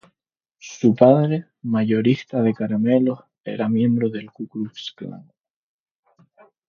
Su padre, mayorista de caramelos, era miembro del Ku Klux Klan.